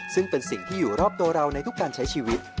ซึ่งเป็นสิ่งที่อยู่รอบตัวเราในทุกการใช้ชีวิต